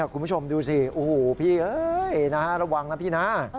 คุณผู้ชมดูสิพี่ระวังนะพี่นะ